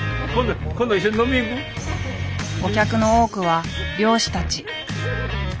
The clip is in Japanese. お客の多くは漁師たち。